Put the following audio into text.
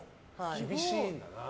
厳しいんだな。